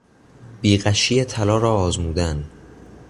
بیغشی طلا را آزمودن